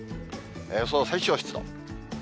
予想最小湿度。